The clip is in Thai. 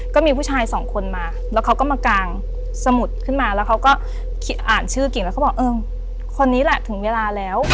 ก็มีผู้ชายสองคนมาแล้วเขาก็มากางสมุดขึ้นมาแล้วเขาก็อ่านชื่อกิ่งแล้วเขาบอกเออคนนี้แหละถึงเวลาแล้ว